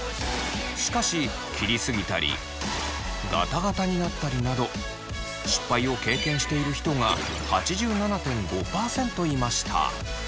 しかし切りすぎたりガタガタになったりなど失敗を経験している人が８７．５％いました。